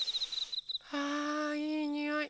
あいいにおい。